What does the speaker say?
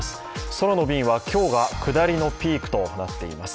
空の便は今日が下りのピークとなっています。